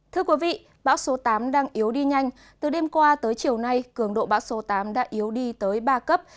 thưa quý vị bão số tám đang yếu đi nhanh từ đêm qua tới chiều nay cường độ bão số tám đã yếu đi tới ba cấp